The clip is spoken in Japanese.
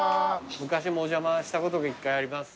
昔もお邪魔したことが一回あります。